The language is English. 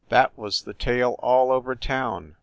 That was the tale all over town.